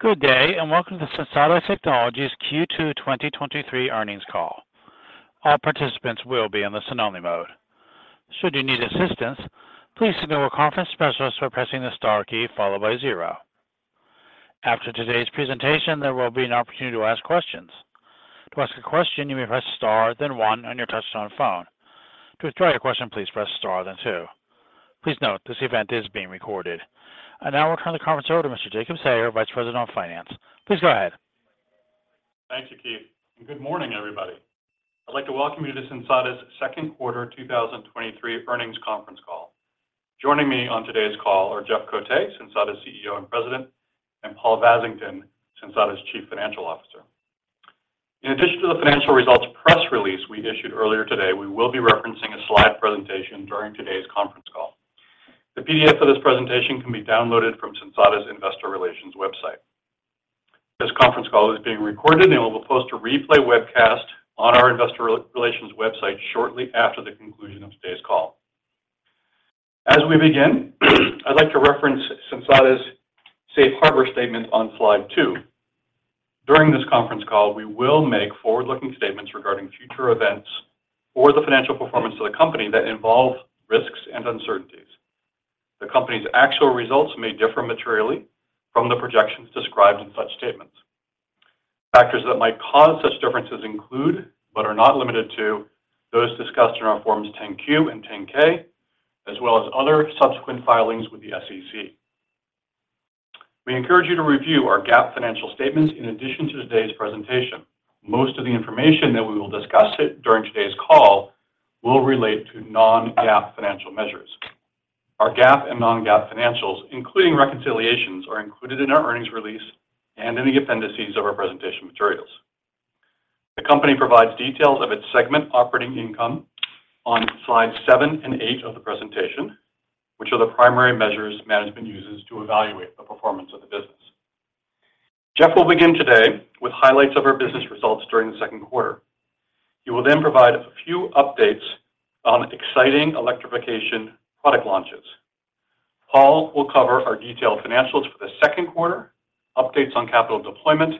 Good day, welcome to the Sensata Technologies Q2 2023 Earnings Call. All participants will be in the listen-only mode. Should you need assistance, please signal a conference specialist by pressing the star key, followed by 0. After today's presentation, there will be an opportunity to ask questions. To ask a question, you may press star, then 1 on your touchtone phone. To withdraw your question, please press star, then 2. Please note, this event is being recorded. I now return the conference over to Mr. Jacob Sayer, Vice President of Finance. Please go ahead. Thank you, Keith, and good morning, everybody. I'd like to welcome you to Sensata's Second Quarter 2023 Earnings Conference Call. Joining me on today's call are Jeff Cote, Sensata's CEO and President, and Paul Vasington, Sensata's Chief Financial Officer. In addition to the financial results press release we issued earlier today, we will be referencing a slide presentation during today's conference call. The PDF for this presentation can be downloaded from Sensata's Investor Relations website. This conference call is being recorded, and we will post a replay webcast on our Investor Relations website shortly after the conclusion of today's call. As we begin, I'd like to reference Sensata's safe harbor statement on slide 2. During this conference call, we will make forward-looking statements regarding future events or the financial performance of the company that involve risks and uncertainties. The company's actual results may differ materially from the projections described in such statements. Factors that might cause such differences include, but are not limited to, those discussed in our forms 10-Q and 10-K, as well as other subsequent filings with the SEC. We encourage you to review our GAAP financial statements in addition to today's presentation. Most of the information that we will discuss it during today's call will relate to non-GAAP financial measures. Our GAAP and non-GAAP financials, including reconciliations, are included in our earnings release and in the appendices of our presentation materials. The company provides details of its segment operating income on slides 7 and 8 of the presentation, which are the primary measures management uses to evaluate the performance of the business. Jeff will begin today with highlights of our business results during the second quarter. He will then provide a few updates on exciting electrification product launches. Paul will cover our detailed financials for the second quarter, updates on capital deployment,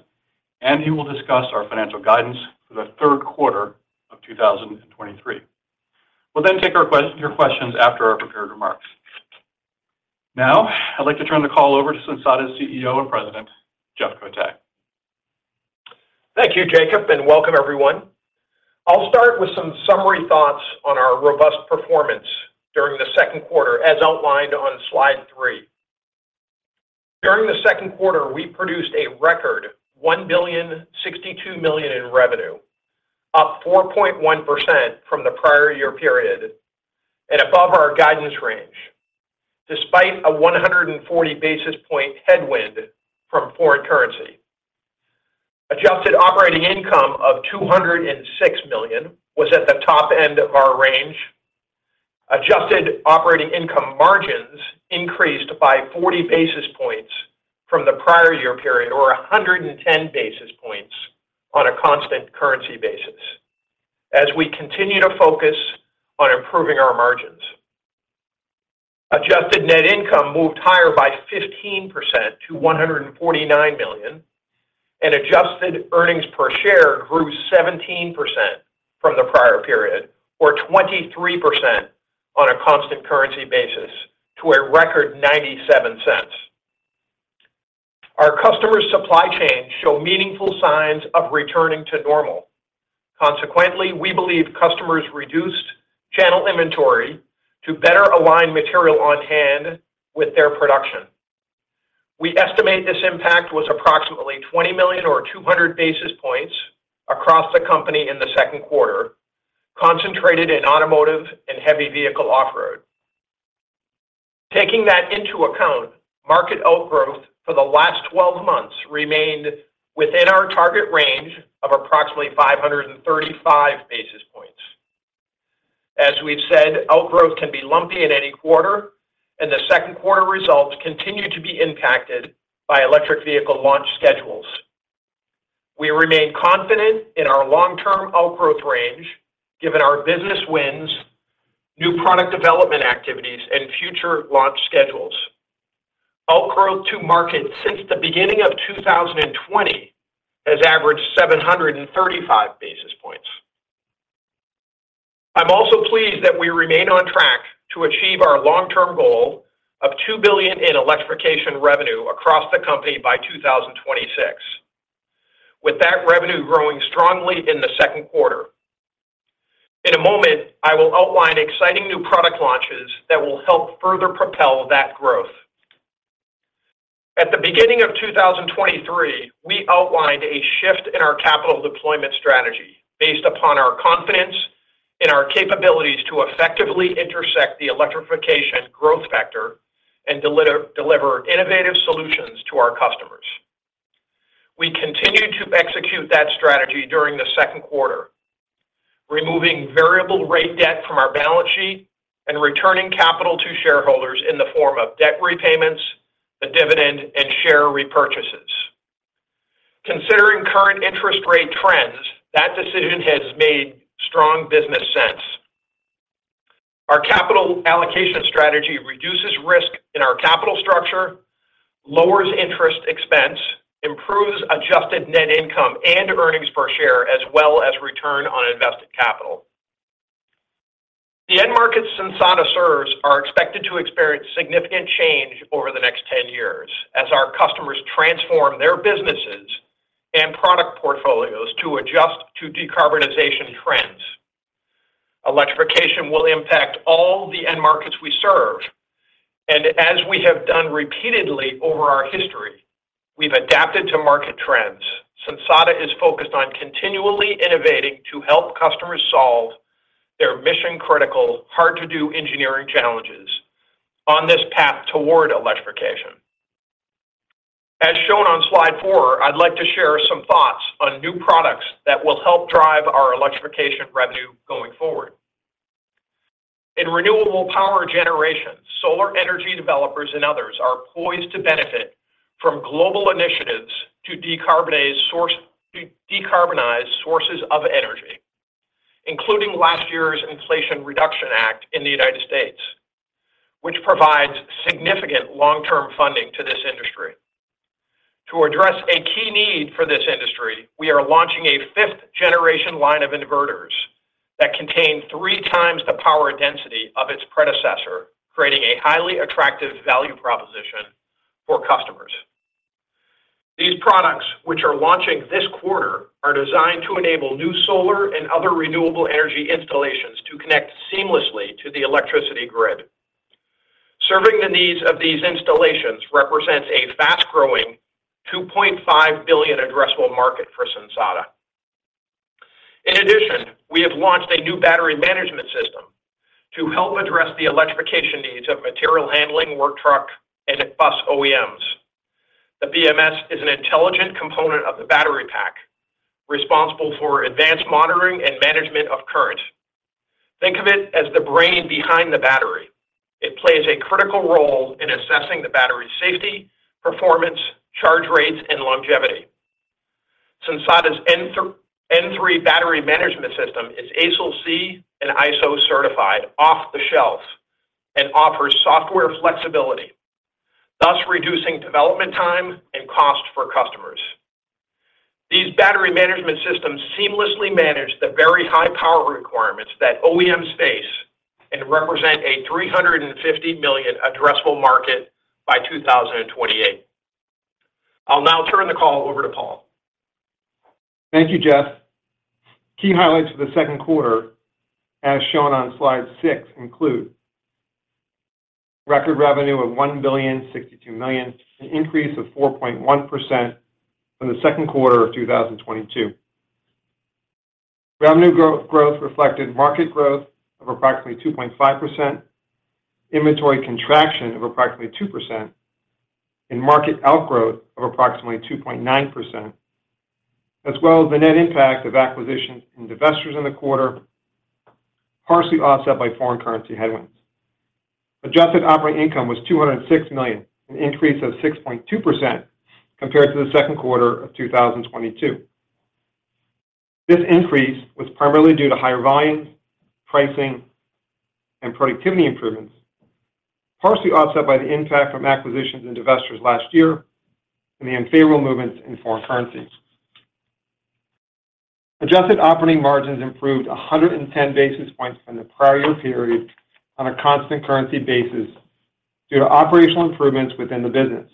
and he will discuss our financial guidance for the third quarter of 2023. We'll take your questions after our prepared remarks. I'd like to turn the call over to Sensata's CEO and President, Jeff Cote. Thank you, Jacob. Welcome everyone. I'll start with some summary thoughts on our robust performance during the second quarter, as outlined on slide 3. During the second quarter, we produced a record $1.062 billion in revenue, up 4.1% from the prior year period and above our guidance range, despite a 140 basis point headwind from foreign currency. Adjusted operating income of $206 million was at the top end of our range. Adjusted operating income margins increased by 40 basis points from the prior year period, or 110 basis points on a constant currency basis. As we continue to focus on improving our margins. Adjusted net income moved higher by 15% to $149 million, adjusted earnings per share grew 17% from the prior period, or 23% on a constant currency basis, to a record $0.97. Our customers' supply chains show meaningful signs of returning to normal. Consequently, we believe customers reduced channel inventory to better align material on hand with their production. We estimate this impact was approximately $20 million or 200 basis points across the company in the second quarter, concentrated in automotive and heavy vehicle off-road. Taking that into account, market outgrowth for the last 12 months remained within our target range of approximately 535 basis points. As we've said, outgrowth can be lumpy in any quarter, and the second quarter results continue to be impacted by electric vehicle launch schedules. We remain confident in our long-term outgrowth range, given our business wins, new product development activities, and future launch schedules. Outgrowth to market since the beginning of 2020 has averaged 735 basis points. I'm also pleased that we remain on track to achieve our long-term goal of $2 billion in electrification revenue across the company by 2026, with that revenue growing strongly in the second quarter. In a moment, I will outline exciting new product launches that will help further propel that growth. At the beginning of 2023, we outlined a shift in our capital deployment strategy based upon our confidence in our capabilities to effectively intersect the electrification growth vector and deliver innovative solutions to our customers. We continued to execute that strategy during the second quarter, removing variable rate debt from our balance sheet and returning capital to shareholders in the form of debt repayments, a dividend, and share repurchases. Considering current interest rate trends, that decision has made strong business sense. Our capital allocation strategy reduces risk in our capital structure, lowers interest expense, improves adjusted net income and earnings per share, as well as return on invested capital. The end markets Sensata serves are expected to experience significant change over the next ten years as our customers transform their businesses and product portfolios to adjust to decarbonization trends. Electrification will impact all the end markets we serve, and as we have done repeatedly over our history, we've adapted to market trends. Sensata is focused on continually innovating to help customers solve their mission-critical, hard-to-do engineering challenges on this path toward electrification. As shown on slide 4, I'd like to share some thoughts on new products that will help drive our electrification revenue going forward. In renewable power generation, solar energy developers and others are poised to benefit from global initiatives to decarbonize sources of energy, including last year's Inflation Reduction Act in the United States, which provides significant long-term funding to this industry. To address a key need for this industry, we are launching a 5th-generation line of inverters that contain 3 times the power density of its predecessor, creating a highly attractive value proposition for customers. These products, which are launching this quarter, are designed to enable new solar and other renewable energy installations to connect seamlessly to the electricity grid. Serving the needs of these installations represents a fast-growing $2.5 billion addressable market for Sensata. We have launched a new battery management system to help address the electrification needs of material handling, work truck, and bus OEMs. The BMS is an intelligent component of the battery pack, responsible for advanced monitoring and management of current. Think of it as the brain behind the battery. It plays a critical role in assessing the battery's safety, performance, charge rates, and longevity. Sensata's n3 Battery Management System is ASIL C and ISO certified off the shelf and offers software flexibility, thus reducing development time and cost for customers. These battery management systems seamlessly manage the very high power requirements that OEMs face and represent a $350 million addressable market by 2028. I'll now turn the call over to Paul. Thank you, Jeff. Key highlights for the second quarter, as shown on slide 6, include: record revenue of $1.062 billion, an increase of 4.1% from the second quarter of 2022. Revenue growth reflected market growth of approximately 2.5%, inventory contraction of approximately 2%, and market outgrowth of approximately 2.9%, as well as the net impact of acquisitions and divestitures in the quarter, partially offset by foreign currency headwinds. Adjusted operating income was $206 million, an increase of 6.2% compared to the second quarter of 2022. This increase was primarily due to higher volumes, pricing, and productivity improvements, partially offset by the impact from acquisitions and divestitures last year and the unfavorable movements in foreign currencies. Adjusted operating margins improved 110 basis points from the prior year period on a constant currency basis due to operational improvements within the business.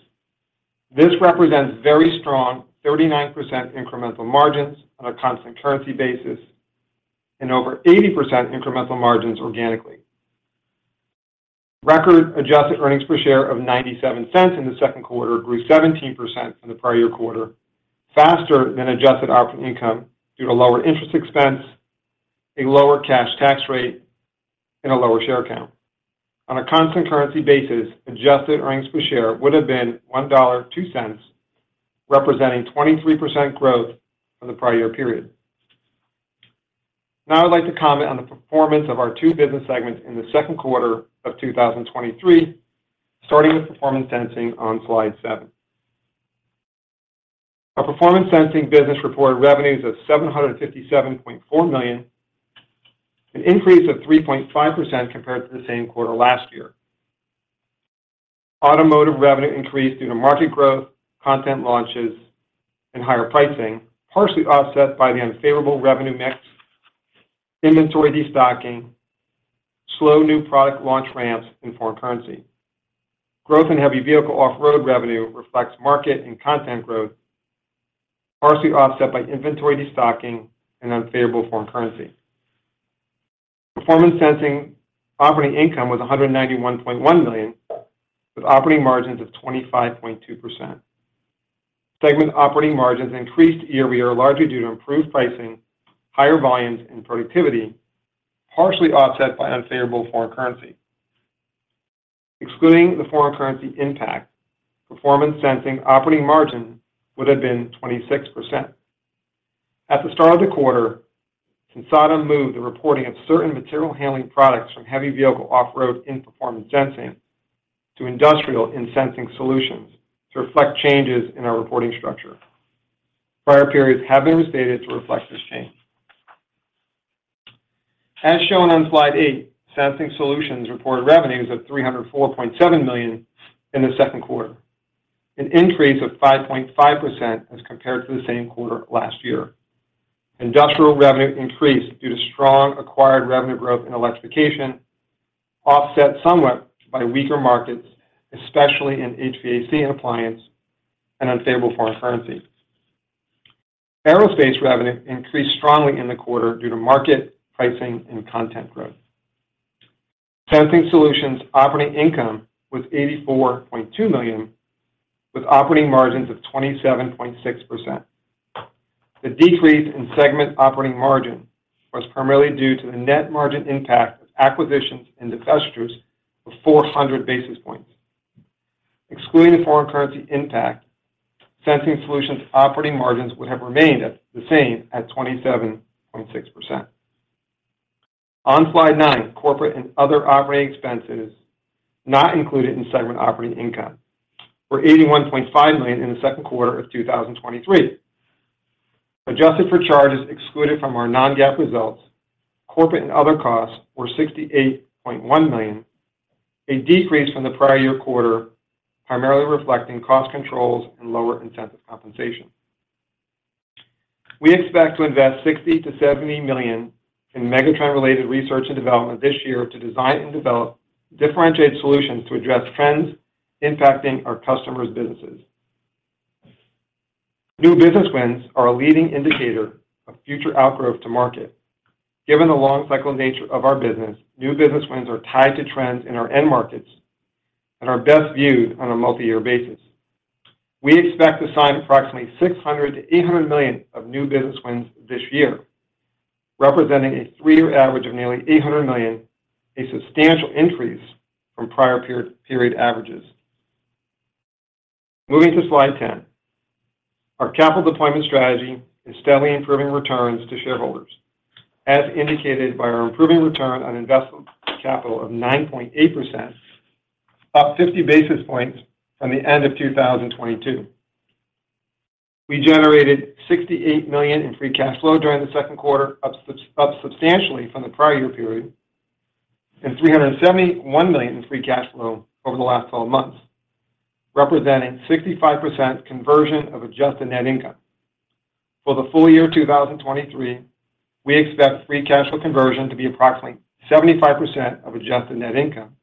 This represents very strong 39% incremental margins on a constant currency basis and over 80% incremental margins organically. Record adjusted earnings per share of $0.97 in the second quarter grew 17% from the prior year quarter, faster than adjusted operating income due to lower interest expense, a lower cash tax rate, and a lower share count. On a constant currency basis, adjusted earnings per share would have been $1.02, representing 23% growth from the prior year period. Now, I'd like to comment on the performance of our two business segments in the second quarter of 2023, starting with Performance Sensing on slide 7. Our Performance Sensing business reported revenues of $757.4 million, an increase of 3.5% compared to the same quarter last year. Automotive revenue increased due to market growth, content launches, and higher pricing, partially offset by the unfavorable revenue mix, inventory destocking, slow new product launch ramps in foreign currency. Growth in heavy vehicle off-road revenue reflects market and content growth, partially offset by inventory destocking and unfavorable foreign currency. Performance Sensing operating income was $191.1 million, with operating margins of 25.2%. Segment operating margins increased year-over-year, largely due to improved pricing, higher volumes, and productivity, partially offset by unfavorable foreign currency. Excluding the foreign currency impact, Performance Sensing operating margin would have been 26%. At the start of the quarter, Sensata moved the reporting of certain material handling products from heavy vehicle off-road in Performance Sensing to industrial in Sensing Solutions to reflect changes in our reporting structure. Prior periods have been restated to reflect this change. As shown on slide 8, Sensing Solutions reported revenues of $304.7 million in the second quarter, an increase of 5.5% as compared to the same quarter last year. Industrial revenue increased due to strong acquired revenue growth in electrification, offset somewhat by weaker markets, especially in HVAC and appliance, and unstable foreign currency. Aerospace revenue increased strongly in the quarter due to market, pricing, and content growth. Sensing Solutions operating income was $84.2 million, with operating margins of 27.6%. The decrease in segment operating margin was primarily due to the net margin impact of acquisitions and divestitures of 400 basis points. Excluding the foreign currency impact, Sensing Solutions operating margins would have remained at the same, at 27.6%. On slide nine, corporate and other operating expenses, not included in segment operating income, were $81.5 million in the second quarter of 2023. Adjusted for charges excluded from our non-GAAP results, corporate and other costs were $68.1 million, a decrease from the prior year quarter, primarily reflecting cost controls and lower incentive compensation. We expect to invest $60 million-$70 million in megatrend-related research and development this year to design and develop differentiated solutions to address trends impacting our customers' businesses. New business wins are a leading indicator of future outgrowth to market. Given the long cycle nature of our business, new business wins are tied to trends in our end markets and are best viewed on a multi-year basis. We expect to sign approximately $600 million-$800 million of new business wins this year, representing a three-year average of nearly $800 million, a substantial increase from prior period averages. Moving to slide 10. Our capital deployment strategy is steadily improving returns to shareholders, as indicated by our improving return on investment capital of 9.8%, up 50 basis points from the end of 2022. We generated $68 million in free cash flow during the second quarter, up substantially from the prior year period, and $371 million in free cash flow over the last 12 months, representing 65% conversion of adjusted net income. For the full year 2023, we expect free cash flow conversion to be approximately 75% of adjusted net income,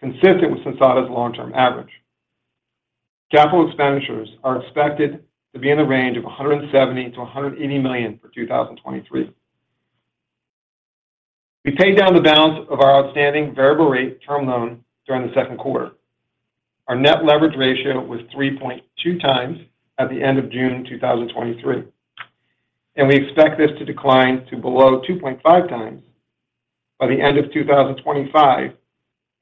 consistent with Sensata's long-term average. Capital expenditures are expected to be in the range of $170 million-$180 million for 2023. We paid down the balance of our outstanding variable rate term loan during the second quarter. Our net leverage ratio was 3.2 times at the end of June 2023, and we expect this to decline to below 2.5 times by the end of 2025,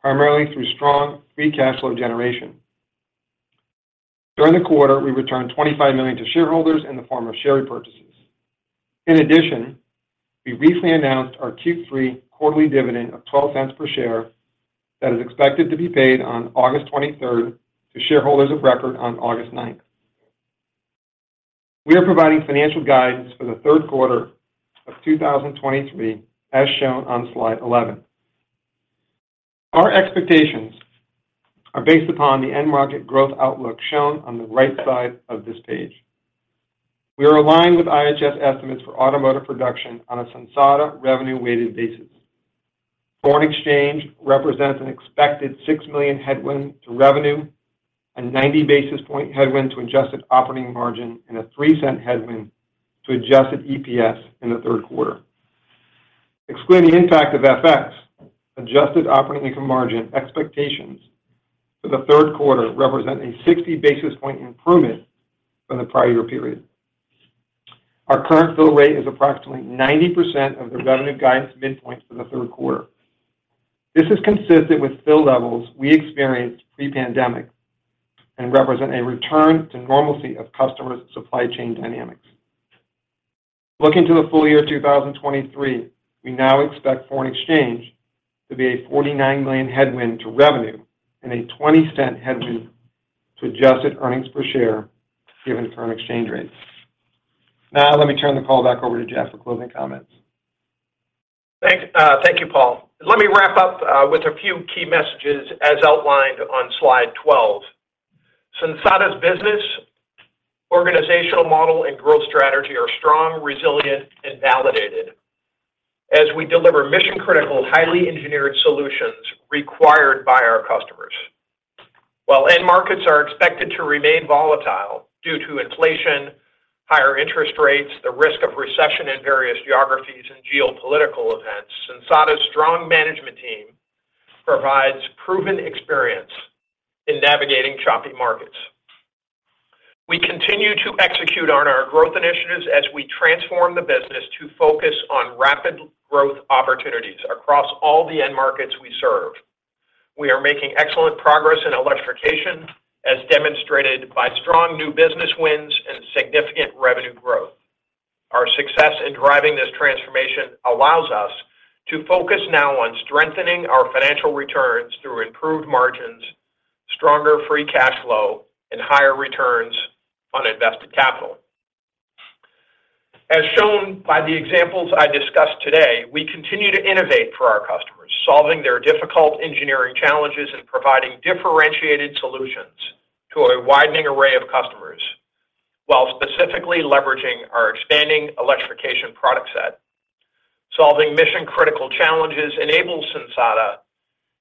primarily through strong free cash flow generation. During the quarter, we returned $25 million to shareholders in the form of share repurchases. In addition, we recently announced our Q3 quarterly dividend of $0.12 per share that is expected to be paid on August 23rd to shareholders of record on August 9th. We are providing financial guidance for the third quarter of 2023, as shown on slide 11. Our expectations are based upon the end market growth outlook shown on the right side of this page. We are aligned with IHS estimates for automotive production on a Sensata revenue-weighted basis. Foreign exchange represents an expected $6 million headwind to revenue, a 90 basis point headwind to adjusted operating margin, and a $0.03 headwind to adjusted EPS in the third quarter. Excluding the impact of FX, adjusted operating income margin expectations for the third quarter represent a 60 basis point improvement from the prior year period. Our current fill rate is approximately 90% of the revenue guidance midpoint for the third quarter. This is consistent with fill levels we experienced pre-pandemic and represent a return to normalcy of customers' supply chain dynamics. Looking to the full year 2023, we now expect foreign exchange to be a $49 million headwind to revenue and a $0.20 headwind to adjusted EPS, given current exchange rates. Now, let me turn the call back over to Jeff Cote for closing comments. Thanks, thank you, Paul. Let me wrap up with a few key messages as outlined on slide 12. Sensata's business, organizational model, and growth strategy are strong, resilient, and validated as we deliver mission-critical, highly engineered solutions required by our customers. While end markets are expected to remain volatile due to inflation, higher interest rates, the risk of recession in various geographies and geopolitical events, Sensata's strong management team provides proven experience in navigating choppy markets. We continue to execute on our growth initiatives as we transform the business to focus on rapid growth opportunities across all the end markets we serve. We are making excellent progress in electrification, as demonstrated by strong new business wins and significant revenue growth. Our success in driving this transformation allows us to focus now on strengthening our financial returns through improved margins, stronger free cash flow, and higher returns on invested capital. As shown by the examples I discussed today, we continue to innovate for our customers, solving their difficult engineering challenges and providing differentiated solutions to a widening array of customers, while specifically leveraging our expanding electrification product set. Solving mission-critical challenges enables Sensata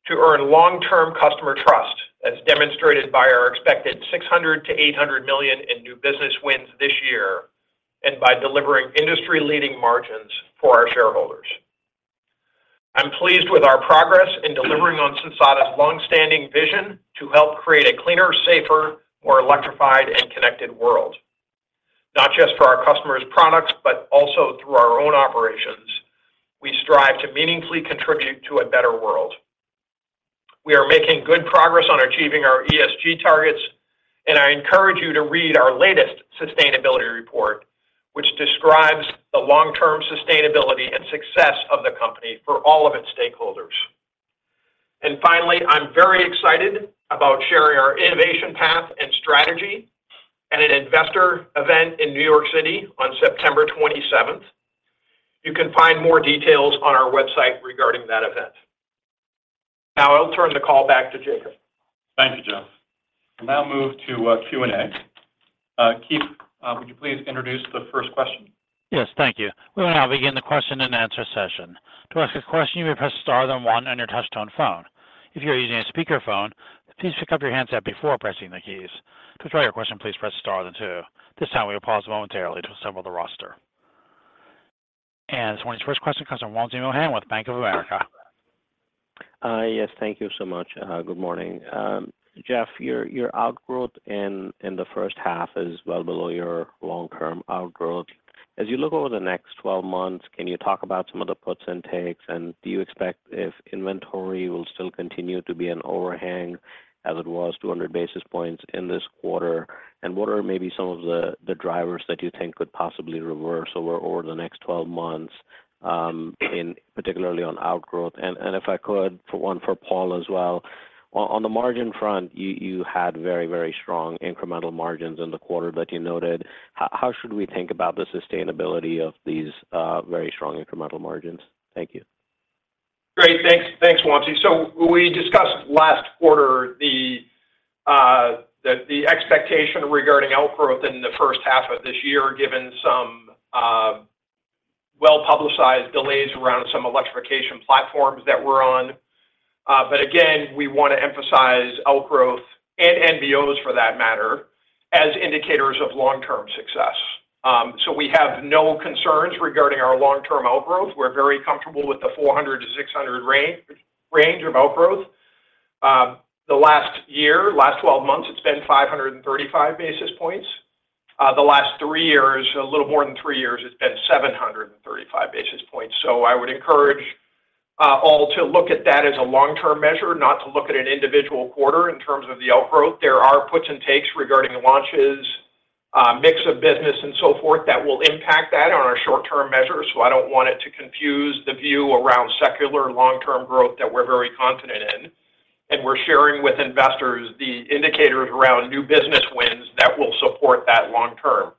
to earn long-term customer trust, as demonstrated by our expected $600 million-$800 million in new business wins this year, and by delivering industry-leading margins for our shareholders. I'm pleased with our progress in delivering on Sensata's long-standing vision to help create a cleaner, safer, more electrified and connected world. Not just for our customers' products, but also through our own operations. We strive to meaningfully contribute to a better world. We are making good progress on achieving our ESG targets. I encourage you to read our latest sustainability report, which describes the long-term sustainability and success of the company for all of its stakeholders. Finally, I'm very excited about sharing our innovation path and strategy at an investor event in New York City on September 27th. You can find more details on our website regarding that event. Now, I'll turn the call back to Jacob. Thank you, Jeff. We'll now move to Q&A. Keith, would you please introduce the first question? Yes, thank you. We will now begin the question and answer session. To ask a question, you may press star then one on your touchtone phone. If you are using a speakerphone, please pick up your handset before pressing the keys. To withdraw your question, please press star then two. This time, we will pause momentarily to assemble the roster. This morning's first question comes from Wamsi Mohan with Bank of America. Yes, thank you so much. Good morning. Jeff, your outgrowth in the first half is well below your long-term outgrowth. As you look over the next 12 months, can you talk about some of the puts and takes, and do you expect if inventory will still continue to be an overhang as it was 200 basis points in this quarter? What are maybe some of the drivers that you think could possibly reverse over the next 12 months, in particularly on outgrowth? If I could, for one for Paul as well. On the margin front, you had very strong incremental margins in the quarter, but you noted, how should we think about the sustainability of these very strong incremental margins? Thank you. Great. Thanks, Wamsi. We discussed last quarter the expectation regarding outgrowth in the first half of this year, given some well-publicized delays around some electrification platforms that we're on. Again, we want to emphasize outgrowth and NBOs, for that matter, as indicators of long-term success. We have no concerns regarding our long-term outgrowth. We're very comfortable with the 400-600 range of outgrowth. The last year, last 12 months, it's been 535 basis points. The last 3 years, a little more than 3 years, it's been 735 basis points. I would encourage all to look at that as a long-term measure, not to look at an individual quarter in terms of the outgrowth. There are puts and takes regarding launches, mix of business, and so forth, that will impact that on our short-term measures, I don't want it to confuse the view around secular long-term growth that we're very confident in. We're sharing with investors the indicators around new business wins that will support that long term.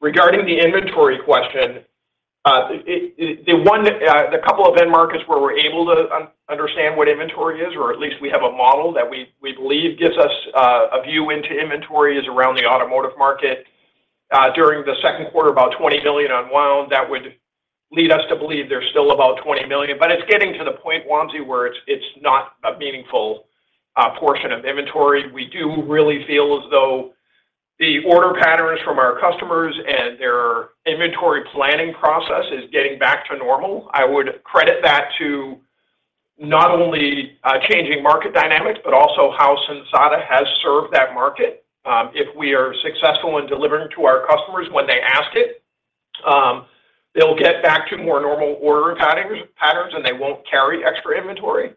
Regarding the inventory question, the one, the couple of end markets where we're able to understand what inventory is, or at least we believe gives us a view into inventory, is around the automotive market. During the second quarter, about $20 million unwound, that would lead us to believe there's still about $20 million. It's getting to the point, Wamsi, where it's not a meaningful portion of inventory. We do really feel as though the order patterns from our customers and their inventory planning process is getting back to normal. I would credit that to not only changing market dynamics, but also how Sensata has served that market. If we are successful in delivering to our customers when they ask it, they'll get back to more normal order patterns, and they won't carry extra inventory.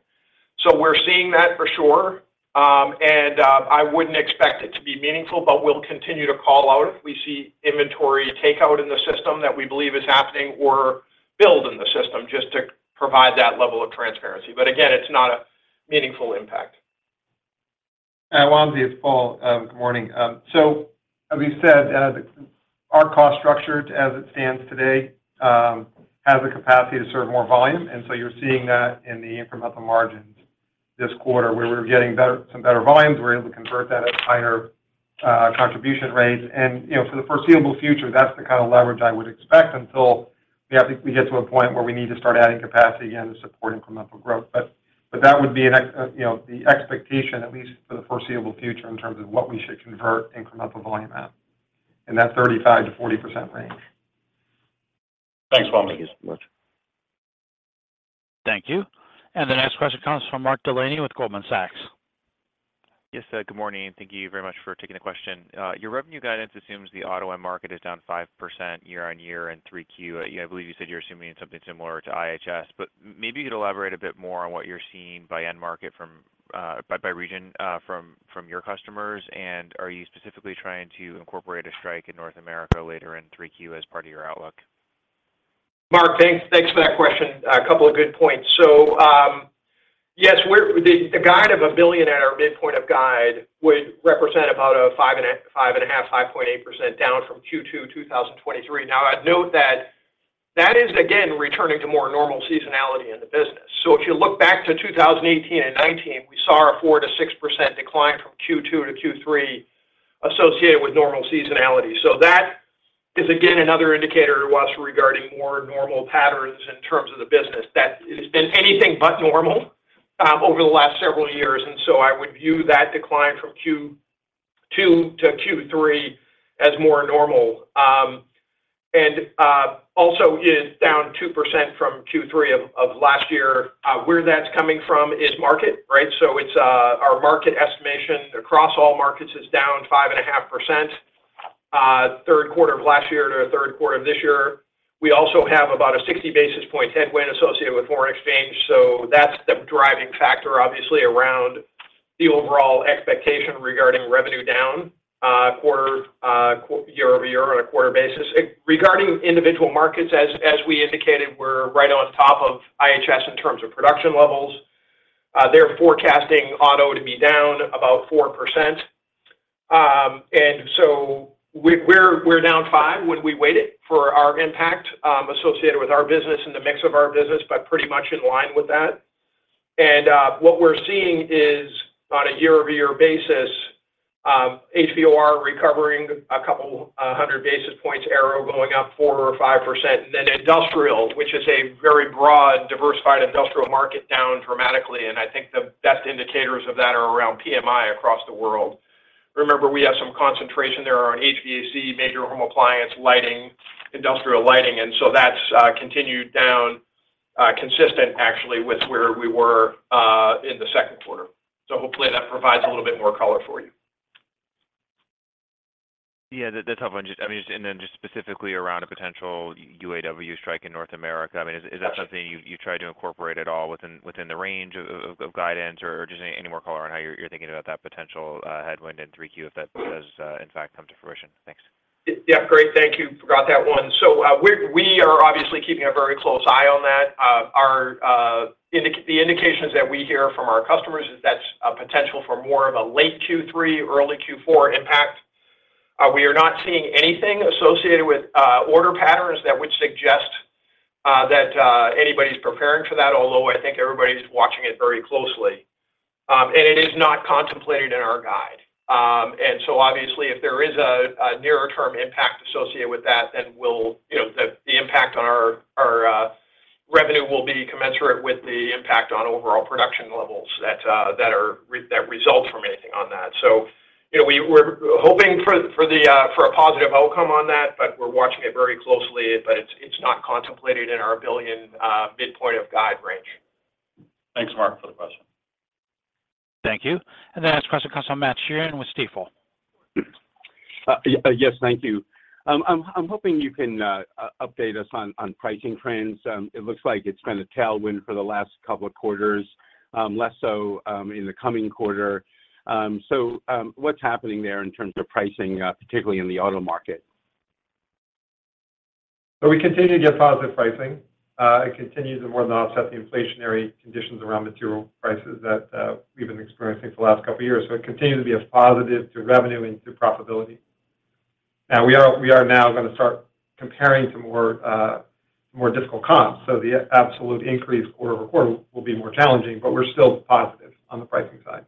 We're seeing that for sure, and I wouldn't expect it to be meaningful, but we'll continue to call out if we see inventory takeout in the system that we believe is happening or build in the system, just to provide that level of transparency. Again, it's not a meaningful impact. Wamsi, it's Paul. Good morning. So as you said, our cost structure as it stands today, has the capacity to serve more volume, so you're seeing that in the incremental margins this quarter, where we're getting some better volumes. We're able to convert that at higher contribution rates. And, you know, for the foreseeable future, that's the kind of leverage I would expect until, yeah, we get to a point where we need to start adding capacity again to support incremental growth. But that would be an, you know, the expectation, at least for the foreseeable future, in terms of what we should convert incremental volume at, in that 35%-40% range. Thanks, Paul. Thank you so much. Thank you. The next question comes from Mark Delaney with Goldman Sachs. Yes, good morning, thank you very much for taking the question. Your revenue guidance assumes the auto end market is down 5% year-on-year in 3Q. I believe you said you're assuming something similar to IHS, but maybe you could elaborate a bit more on what you're seeing by end market from by region from your customers. Are you specifically trying to incorporate a strike in North America later in 3Q as part of your outlook? Mark, thanks for that question. A couple of good points. Yes, the guide of $1 billion at our midpoint of guide would represent about 5.8% down from Q2 2023. I'd note that that is again returning to more normal seasonality in the business. If you look back to 2018 and 2019, we saw a 4%-6% decline from Q2 to Q3 associated with normal seasonality. That is again, another indicator to us regarding more normal patterns in terms of the business. That it has been anything but normal over the last several years. I would view that decline from Q2 to Q3 as more normal. Also is down 2% from Q3 of last year. Where that's coming from is market, right? It's our market estimation across all markets is down 5.5%, 3rd quarter of last year to 3rd quarter of this year. We also have about a 60 basis point headwind associated with foreign exchange, that's the driving factor, obviously, around the overall expectation regarding revenue down quarter year-over-year on a quarter basis. Regarding individual markets, as we indicated, we're right on top of IHS in terms of production levels. They're forecasting auto to be down about 4%. We're down 5 when we weight it for our impact associated with our business and the mix of our business, but pretty much in line with that. What we're seeing is on a year-over-year basis, HVOR recovering 200 basis points, Arrow going up 4% or 5%. Industrial, which is a very broad, diversified industrial market, down dramatically, and I think the best indicators of that are around PMI across the world. Remember, we have some concentration there on HVAC, major home appliance, lighting, industrial lighting, that's continued down, consistent actually with where we were in the second quarter. Hopefully that provides a little bit more color for you. Yeah, that's a tough one. I mean, just specifically around a potential UAW strike in North America, I mean, is that something you tried to incorporate at all within the range of guidance, or just any more color on how you're thinking about that potential headwind in 3Q if that does in fact come to fruition? Thanks. Yeah, great. Thank you. Forgot that one. We are obviously keeping a very close eye on that. Our indications that we hear from our customers is that's a potential for more of a late Q3, early Q4 impact. We are not seeing anything associated with order patterns that would suggest that anybody's preparing for that, although I think everybody's watching it very closely. It is not contemplated in our guide. Obviously, if there is a nearer term impact associated with that, then we'll... You know, the impact on our revenue will be commensurate with the impact on overall production levels that result from anything on that. You know, we're hoping for the for a positive outcome on that, but we're watching it very closely. It's not contemplated in our billion midpoint of guide range. Thanks, Mark, for the question. Thank you. The next question comes from Matt Sheerin with Stifel. Yes, thank you. I'm hoping you can update us on pricing trends. It looks like it's been a tailwind for the last couple of quarters, less so in the coming quarter. What's happening there in terms of pricing, particularly in the auto market? We continue to get positive pricing. It continues to more than offset the inflationary conditions around material prices that we've been experiencing for the last couple of years. It continues to be a positive to revenue and to profitability. We are now gonna start comparing to more difficult comps, so the absolute increase quarter-over-quarter will be more challenging, but we're still positive on the pricing side.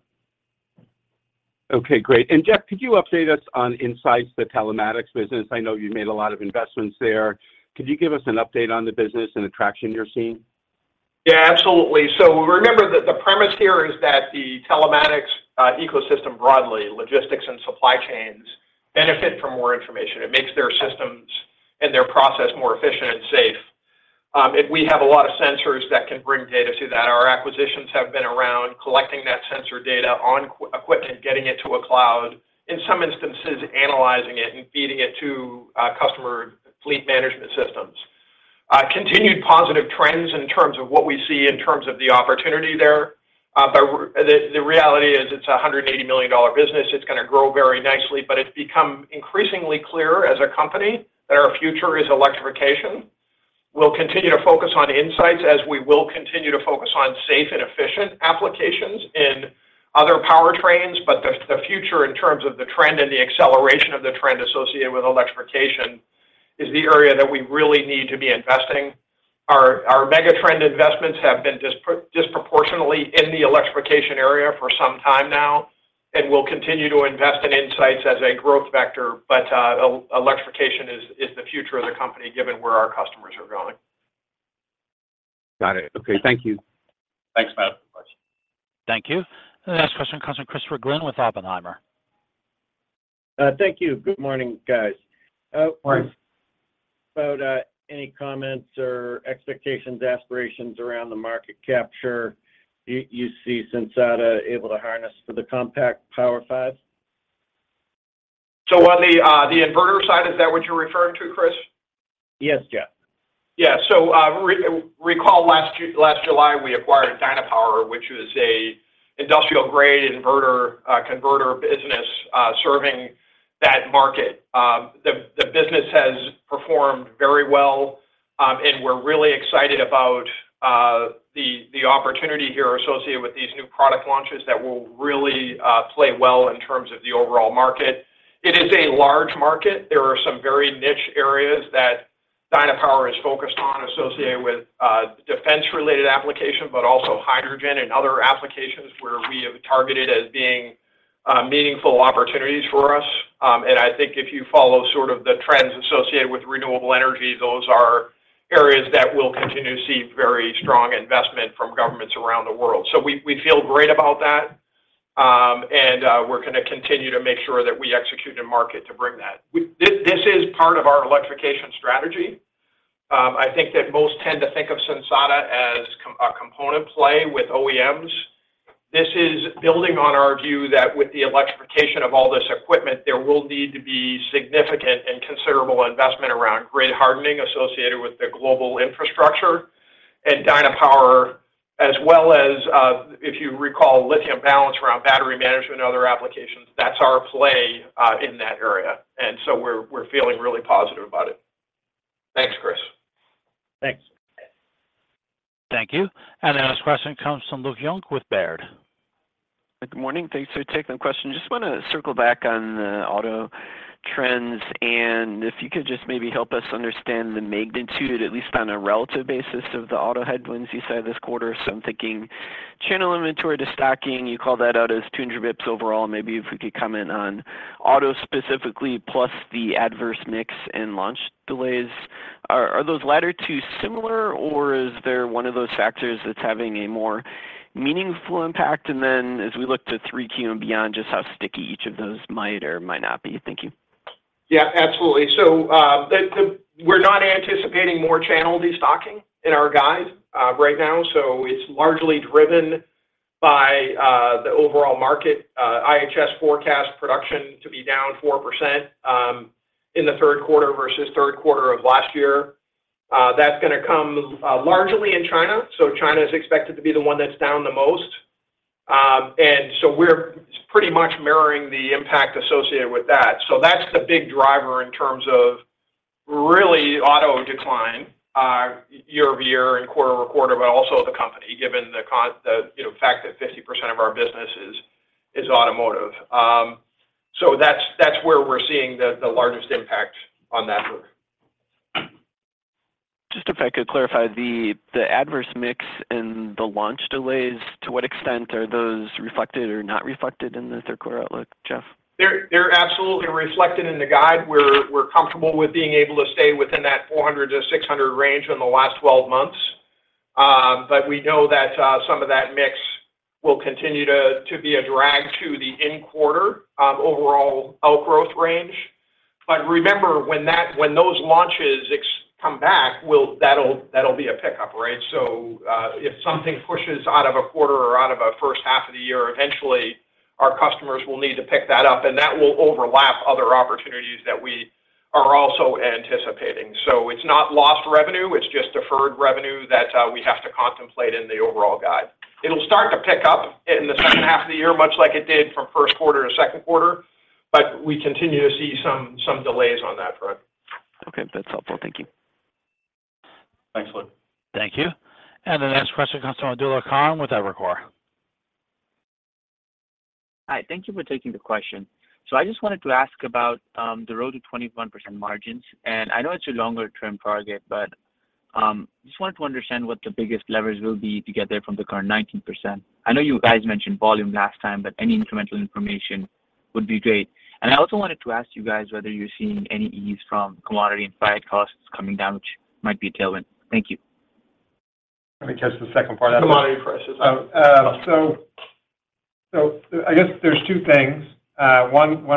Okay, great. Jeff, could you update us on Sensata INSIGHTS, the telematics business? I know you made a lot of investments there. Could you give us an update on the business and the traction you're seeing? Absolutely. Remember that the premise here is that the telematics ecosystem, broadly, logistics and supply chains, benefit from more information. It makes their systems and their process more efficient and safe. We have a lot of sensors that can bring data to that. Our acquisitions have been around collecting that sensor data on equipment, getting it to a cloud, in some instances, analyzing it and feeding it to customer fleet management systems. Continued positive trends in terms of what we see in terms of the opportunity there, the reality is it's a $180 million business. It's gonna grow very nicely, but it's become increasingly clear as a company that our future is electrification. We'll continue to focus on insights as we will continue to focus on safe and efficient applications in other powertrains, but the future, in terms of the trend and the acceleration of the trend associated with electrification, is the area that we really need to be investing. Our megatrend investments have been disproportionately in the electrification area for some time now, and we'll continue to invest in insights as a growth vector, but electrification is the future of the company, given where our customers are going. Got it. Okay, thank you. Thanks, Matt, for the question. Thank you. The next question comes from Christopher Glynn with Oppenheimer. Thank you. Good morning, guys. Morning. About any comments or expectations, aspirations around the market capture you see Sensata able to harness for the Compact Power 5? On the inverter side, is that what you're referring to, Chris? Yes, Jeff. Yeah. Recall last July, we acquired Dynapower, which is a industrial-grade inverter, converter business, serving that market. The business has performed very well, we're really excited about the opportunity here associated with these new product launches that will really play well in terms of the overall market. It is a large market. There are some very niche areas that Dynapower is focused on associated with defense-related application, but also hydrogen and other applications where we have targeted as being meaningful opportunities for us. I think if you follow sort of the trends associated with renewable energy, those are areas that will continue to see very strong investment from governments around the world. We feel great about that. We're gonna continue to make sure that we execute in market to bring that. This is part of our electrification strategy. I think that most tend to think of Sensata as a component play with OEMs. This is building on our view that with the electrification of all this equipment, there will need to be significant and considerable investment around grid hardening associated with the global infrastructure and Dynapower, as well as, if you recall, Lithium Balance around battery management and other applications, that's our play in that area. We're feeling really positive about it. Thanks, Chris. Thanks. Thank you. The next question comes from Luke Junk with Baird. Good morning. Thanks for taking the question. Just wanna circle back on the auto trends, and if you could just maybe help us understand the magnitude, at least on a relative basis, of the auto headwinds you said this quarter. I'm thinking channel inventory, destocking, you called that out as 200 basis points overall. Maybe if we could comment on auto specifically, plus the adverse mix and launch delays. Are those latter two similar, or is there one of those factors that's having a more meaningful impact? As we look to 3Q and beyond, just how sticky each of those might or might not be. Thank you. Yeah, absolutely. We're not anticipating more channel destocking in our guide right now, so it's largely driven by the overall market. IHS forecast production to be down 4% in the third quarter versus third quarter of last year. That's gonna come largely in China, so China is expected to be the one that's down the most. We're pretty much mirroring the impact associated with that. That's the big driver in terms of really auto decline year-over-year and quarter-over-quarter, but also the company, given the, you know, fact that 50% of our business is automotive. That's where we're seeing the largest impact on that group. Just if I could clarify, the adverse mix and the launch delays, to what extent are those reflected or not reflected in the third quarter outlook, Jeff? They're absolutely reflected in the guide. We're comfortable with being able to stay within that $400-$600 range in the last 12 months. We know that some of that mix will continue to be a drag to the in quarter overall outgrowth range. Remember, when those launches come back, that'll be a pickup, right. If something pushes out of a quarter or out of a first half of the year, eventually our customers will need to pick that up, and that will overlap other opportunities that we are also anticipating. It's not lost revenue, it's just deferred revenue that we have to contemplate in the overall guide. It'll start to pick up in the second half of the year, much like it did from first quarter to second quarter. We continue to see some delays on that front. Okay, that's helpful. Thank you. Thanks, Luke. Thank you. The next question comes from Abdullah Khan with Evercore. Hi, thank you for taking the question. I just wanted to ask about the road to 21% margins, and I know it's a longer-term target, but just wanted to understand what the biggest levers will be to get there from the current 19%. I know you guys mentioned volume last time, but any incremental information would be great. I also wanted to ask you guys whether you're seeing any ease from commodity and supply costs coming down, which might be a tailwind. Thank you. Let me catch the second part of that. Commodity prices. I guess there's two things.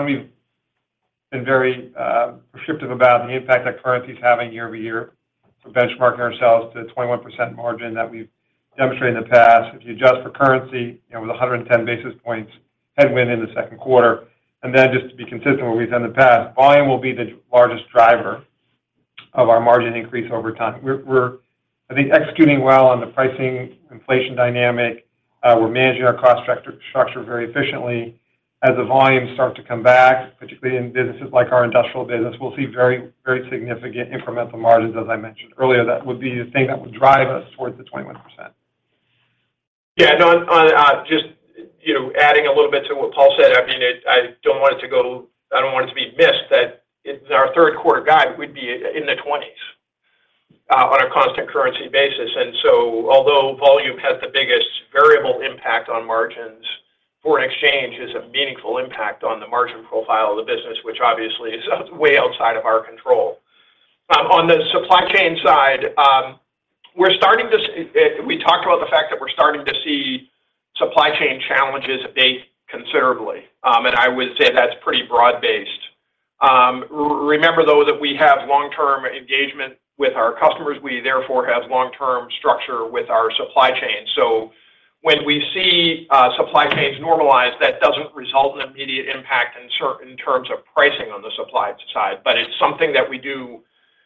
We've been very prescriptive about the impact that currency is having year-over-year. Benchmarking ourselves to 21% margin that we've demonstrated in the past, if you adjust for currency, you know, with 110 basis points headwind in the second quarter, just to be consistent with what we've done in the past, volume will be the largest driver of our margin increase over time. We're, I think, executing well on the pricing inflation dynamic. We're managing our cost structure very efficiently. As the volumes start to come back, particularly in businesses like our industrial business, we'll see very significant incremental margins, as I mentioned earlier. That would be the thing that would drive us towards the 21%. Yeah, no, on, just, you know, adding a little bit to what Paul said, I mean, I don't want it to be missed, that it's our third quarter guide, we'd be in the 20s, on a constant currency basis. Although volume has the biggest variable impact on margins, foreign exchange is a meaningful impact on the margin profile of the business, which obviously is way outside of our control. On the supply chain side, we talked about the fact that we're starting to see supply chain challenges abate considerably. I would say that's pretty broad-based. Remember, though, that we have long-term engagement with our customers. We, therefore, have long-term structure with our supply chain. When we see supply chains normalize, that doesn't result in immediate impact in terms of pricing on the supply side, but it's something that we do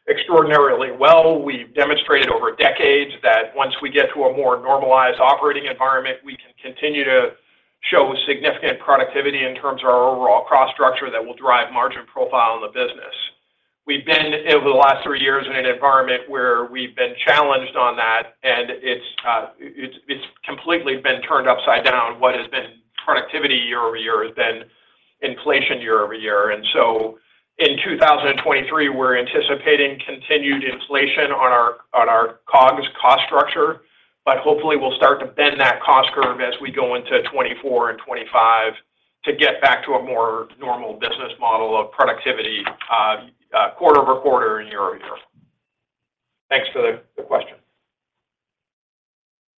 extraordinarily well. We've demonstrated over decades that once we get to a more normalized operating environment, we can continue to show significant productivity in terms of our overall cost structure that will drive margin profile in the business. We've been, over the last three years, in an environment where we've been challenged on that, and it's completely been turned upside down. What has been productivity year-over-year has been inflation year-over-year. In 2023, we're anticipating continued inflation on our COGS cost structure, but hopefully, we'll start to bend that cost curve as we go into 24 and 25 to get back to a more normal business model of productivity, quarter-over-quarter and year-over-year. Thanks for the question.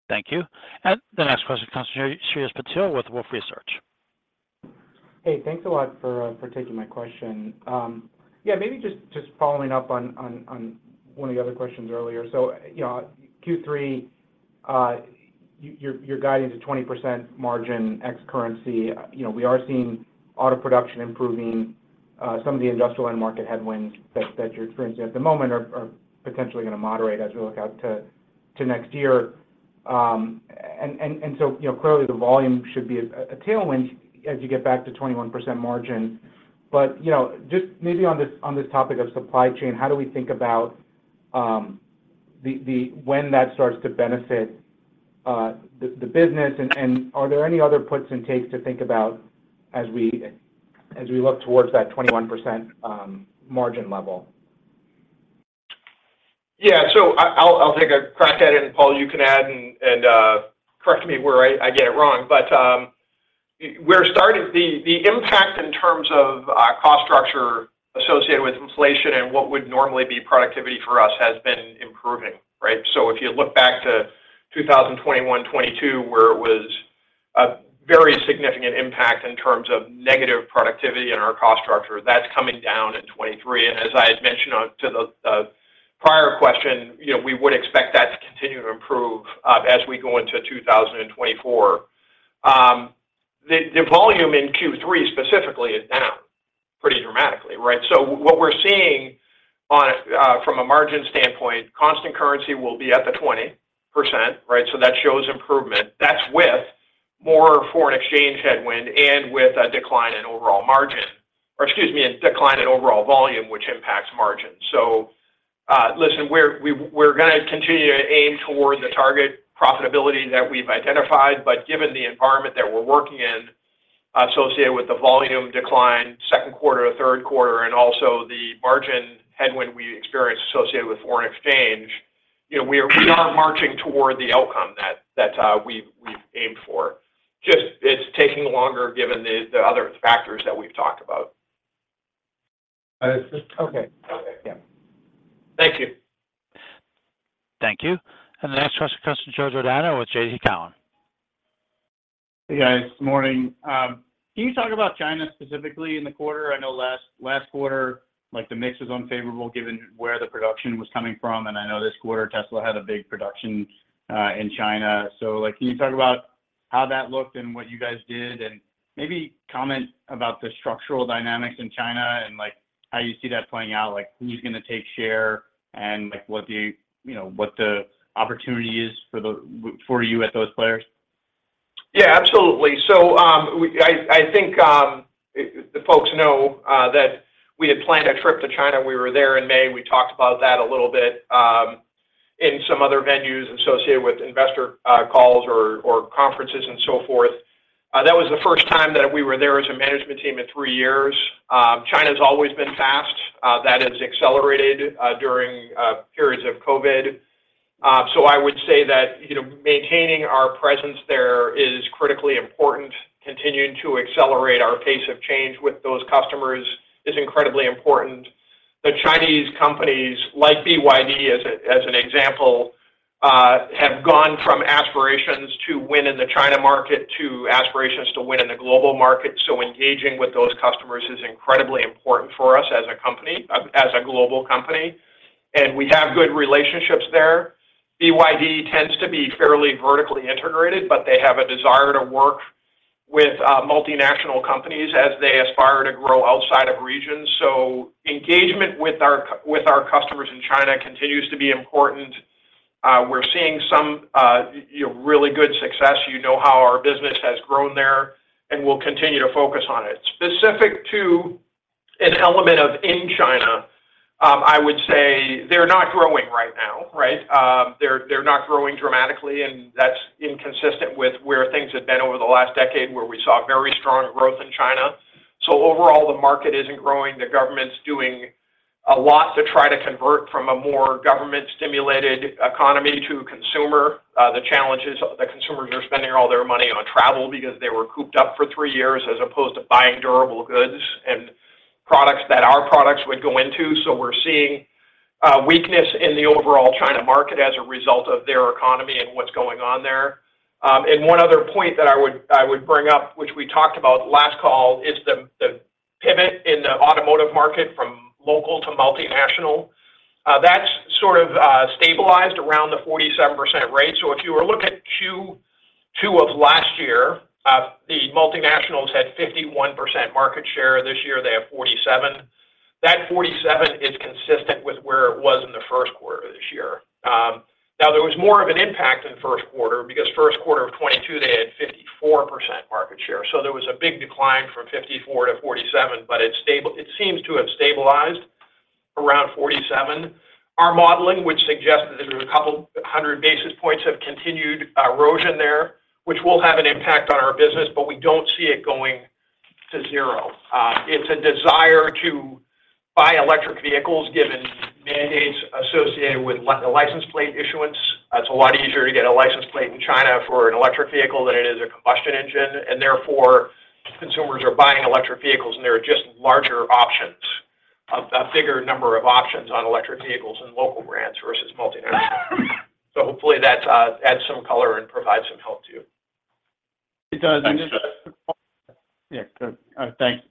Thank you. The next question comes from Shreyas Patil with Wolfe Research. Hey, thanks a lot for taking my question. Yeah, maybe just following up on one of the other questions earlier. You know, Q3, you're guiding to 20% margin ex currency. You know, we are seeing auto production improving, some of the industrial end market headwinds that you're experiencing at the moment are potentially going to moderate as we look out to next year. And so, you know, clearly, the volume should be a tailwind as you get back to 21% margin. But, you know, just maybe on this topic of supply chain, how do we think about when that starts to benefit the business? Are there any other puts and takes to think about as we, as we look towards that 21% margin level? Yeah. I'll take a crack at it, and Paul, you can add and correct me where I get it wrong. The impact in terms of cost structure associated with inflation and what would normally be productivity for us has been improving, right. If you look back to 2021, 2022, where it was a very significant impact in terms of negative productivity in our cost structure, that's coming down in 23. As I had mentioned on to the prior question, you know, we would expect that to continue to improve as we go into 2024. The volume in Q3 specifically is down pretty dramatically, right. What we're seeing on a from a margin standpoint, constant currency will be at the 20%, right. That shows improvement. That's with more foreign exchange headwind and with a decline in overall margin, or excuse me, a decline in overall volume, which impacts margin. Listen, we're gonna continue to aim toward the target profitability that we've identified, but given the environment that we're working in, associated with the volume decline, second quarter or third quarter, and also the margin headwind we experienced associated with foreign exchange, you know, we are marching toward the outcome that we've aimed for. Just it's taking longer, given the other factors that we've talked about. Okay, yeah. Thank you. Thank you. The next question comes from Joe Giordano with TD Cowen. Hey, guys, morning. Can you talk about China specifically in the quarter? I know last quarter, like, the mix was unfavorable given where the production was coming from, and I know this quarter, Tesla had a big production in China. Like, can you talk about how that looked and what you guys did? Maybe comment about the structural dynamics in China and, like, how you see that playing out. Like, who's gonna take share, and, like, what the, you know, what the opportunity is for you as those players? Absolutely. I think the folks know that we had planned a trip to China. We were there in May. We talked about that a little bit in some other venues associated with investor calls or conferences and so forth. That was the first time that we were there as a management team in three years. China's always been fast. That has accelerated during periods of COVID. I would say that, you know, maintaining our presence there is critically important. Continuing to accelerate our pace of change with those customers is incredibly important. The Chinese companies, like BYD, as an example, have gone from aspirations to win in the China market to aspirations to win in the global market. Engaging with those customers is incredibly important for us as a company, as a global company, and we have good relationships there. BYD tends to be fairly vertically integrated, but they have a desire to work with multinational companies as they aspire to grow outside of regions. Engagement with our customers in China continues to be important. We're seeing some, you know, really good success. You know how our business has grown there, and we'll continue to focus on it. Specific to an element of in China, I would say they're not growing right now, right? They're not growing dramatically, and that's inconsistent with where things have been over the last decade, where we saw very strong growth in China. Overall, the market isn't growing. The government's doing a lot to try to convert from a more government-stimulated economy to consumer. The challenge is the consumers are spending all their money on travel because they were cooped up for 3 years, as opposed to buying durable goods and products that our products would go into. We're seeing weakness in the overall China market as a result of their economy and what's going on there. One other point that I would bring up, which we talked about last call, is the pivot in the automotive market from local to multinational. That's sort of the 47% rate. If you were to look at Q2 of last year, the multinationals had 51% market share. This year, they have 47. That 47 is consistent with where it was in the first quarter of this year. Now, there was more of an impact in the first quarter because first quarter of 2022, they had 54% market share. There was a big decline from 54 to 47, but it seems to have stabilized around 47. Our modeling, which suggests that there were 200 basis points, have continued erosion there, which will have an impact on our business, but we don't see it going to zero. It's a desire to buy electric vehicles, given mandates associated with the license plate issuance. It's a lot easier to get a license plate in China for an electric vehicle than it is a combustion engine, and therefore, consumers are buying electric vehicles, and there are just larger options, a bigger number of options on electric vehicles and local brands versus multinationals. Hopefully that adds some color and provide some help to you. It does. Thanks, Jeff. Yeah, good. Thanks.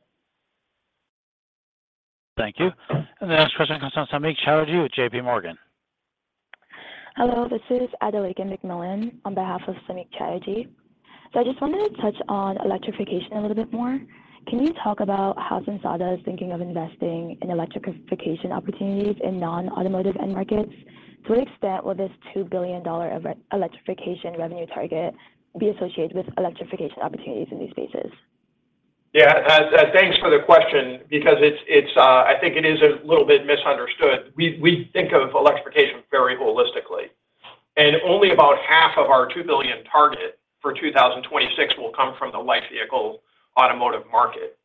Thank you. The next question comes from Samik Chatterjee with JP Morgan. Hello, this is Adeleke McMillan on behalf of Samik Chatterjee. I just wanted to touch on electrification a little bit more. Can you talk about how Sensata is thinking of investing in electrification opportunities in non-automotive end markets? To what extent will this $2 billion of electrification revenue target be associated with electrification opportunities in these spaces? Thanks for the question because it's, I think it is a little bit misunderstood. We think of electrification very holistically, and only about half of our $2 billion target for 2026 will come from the light vehicle automotive market.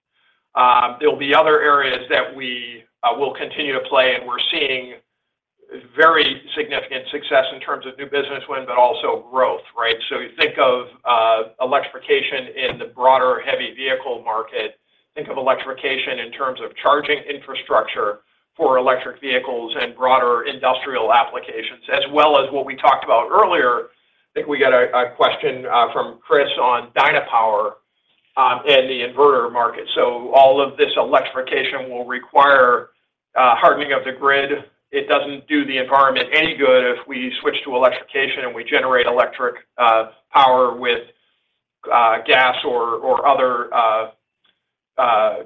There will be other areas that we will continue to play, and we're seeing very significant success in terms of new business wins, but also growth, right? You think of electrification in the broader heavy vehicle market, think of electrification in terms of charging infrastructure for electric vehicles and broader industrial applications, as well as what we talked about earlier. I think we got a question from Chris on Dynapower, and the inverter market. All of this electrification will require hardening of the grid. It doesn't do the environment any good if we switch to electrification and we generate electric power with gas or other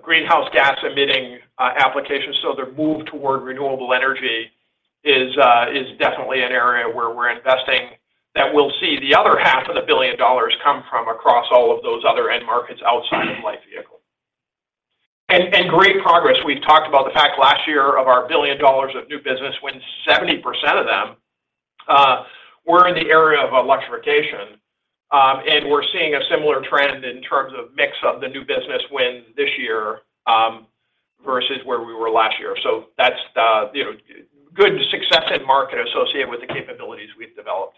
greenhouse gas-emitting applications. The move toward renewable energy is definitely an area where we're investing, that we'll see the other half of the billion dollars come from across all of those other end markets outside of light vehicle. Great progress. We've talked about the fact last year of our $1 billion of new business, when 70% of them were in the area of electrification, and we're seeing a similar trend in terms of mix of the new business wins this year versus where we were last year. That's the, you know, good success in market associated with the capabilities we've developed.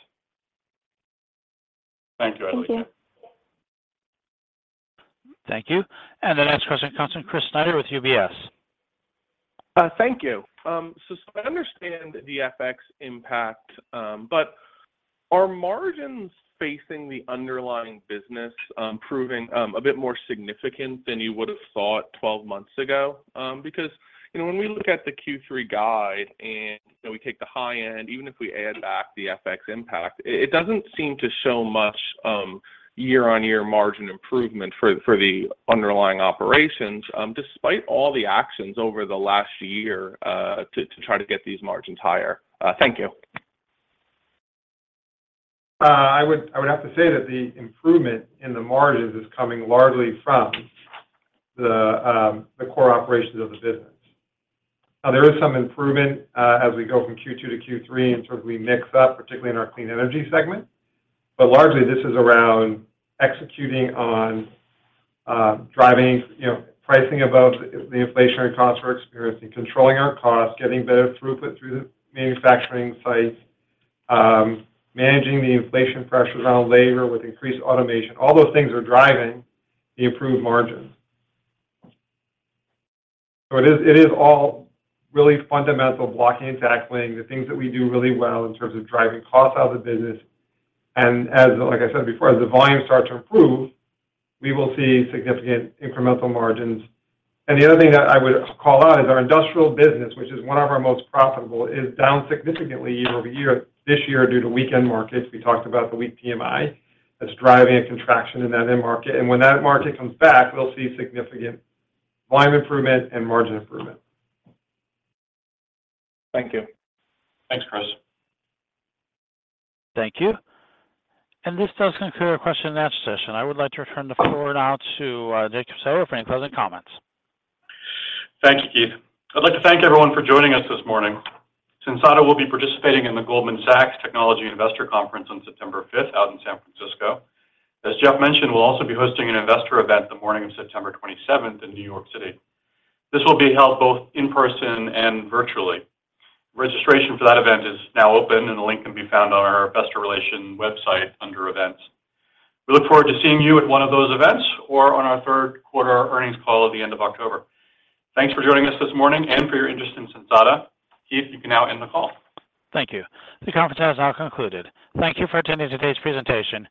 Thank you. Thank you. Thank you. The next question comes from Chris Snyder with UBS. Thank you. I understand the FX impact, but are margins facing the underlying business proving a bit more significant than you would have thought 12 months ago? You know, when we look at the Q3 guide and then we take the high end, even if we add back the FX impact, it doesn't seem to show much year-on-year margin improvement for the underlying operations, despite all the actions over the last year to try to get these margins higher. Thank you. I would have to say that the improvement in the margins is coming largely from the core operations of the business. There is some improvement, as we go from Q2 to Q3 in terms of we mix up, particularly in our clean energy segment. Largely, this is around executing on, driving, you know, pricing above the inflationary costs we're experiencing, controlling our costs, getting better throughput through the manufacturing sites, managing the inflation pressures on labor with increased automation. Those things are driving the improved margins. It is all really fundamental blocking and tackling, the things that we do really well in terms of driving costs out of the business. As like I said before, as the volume start to improve, we will see significant incremental margins. The other thing that I would call out is our industrial business, which is one of our most profitable, is down significantly year-over-year, this year due to weakened markets. We talked about the weak PMI that's driving a contraction in that end market. When that market comes back, we'll see significant volume improvement and margin improvement. Thank you. Thanks, Chris. Thank you. This does conclude our question and answer session. I would like to turn the floor now to Jacob Sayer for any closing comments. Thank you, Keith. I'd like to thank everyone for joining us this morning. Sensata will be participating in the Goldman Sachs Technology Investor Conference on September 5th, out in San Francisco. As Jeff mentioned, we'll also be hosting an investor event the morning of September 27th in New York City. This will be held both in person and virtually. Registration for that event is now open, and the link can be found on our investor relation website under Events. We look forward to seeing you at one of those events or on our 3rd-quarter earnings call at the end of October. Thanks for joining us this morning and for your interest in Sensata. Keith, you can now end the call. Thank you. The conference has now concluded. Thank you for attending today's presentation.